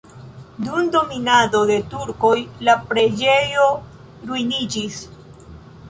Dum dominado de turkoj la preĝejo ruiniĝis.